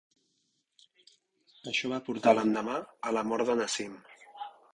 Això va portar l'endemà a la mort de Naseem.